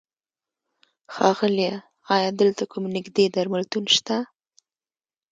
ښاغيله! ايا دلته کوم نيږدې درملتون شته؟